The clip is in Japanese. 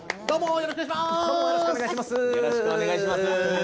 よろしくお願いします